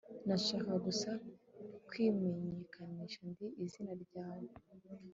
Nashakaga gusa kwimenyekanisha Ndi… izina ryawe